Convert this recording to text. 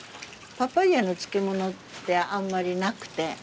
パパイアの漬物ってあんまりなくて。